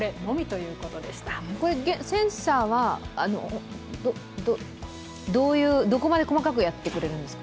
センサーはどういう、どこまで細かくやってくれるんですか？